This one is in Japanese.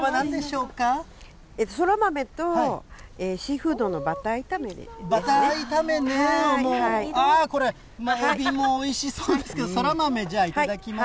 そら豆と、シーフードのバタバター炒めねぇ、もう、ああ、これ、エビもおいしそうですけど、そら豆、じゃあ、いただきます。